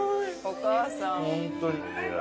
お母さん。